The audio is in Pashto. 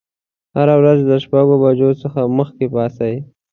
هره ورځ له شپږ بجو څخه مخکې پاڅئ.